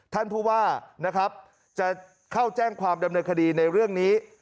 ท่านผู้ว่านะครับจะเข้าแจ้งความดำเนินคดีในเรื่องนี้